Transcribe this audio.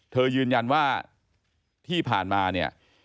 ยืนยันว่าที่ผ่านมาเนี่ย